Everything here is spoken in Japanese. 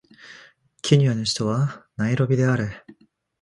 ケニアの首都はナイロビである